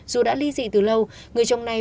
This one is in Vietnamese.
dù đã ly dị từ lâu người chồng này